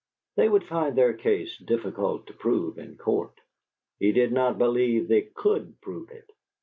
They would find their case difficult to prove in court. He did not believe they COULD prove it.